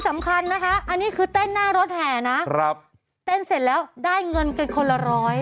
อันนี้คือเก่งหน้ารถแห่ครับเต้นเสร็จแล้วได้เงินกับคนละ๑๐๐